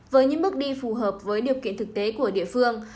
với những bước đi phù hợp với điều kiện thực tế của địa phương